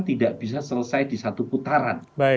tidak bisa selesai di satu putaran